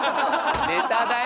ネタだよ！